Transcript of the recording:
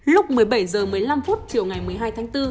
lúc một mươi bảy h một mươi năm chiều ngày một mươi hai tháng bốn